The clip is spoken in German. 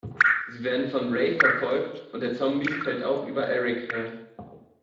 Sie werden von Ray verfolgt und der Zombie fällt auch über Eric her.